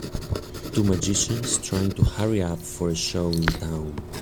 Two magicians trying to hurry up for a show in town.